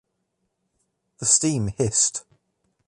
The steam hissed.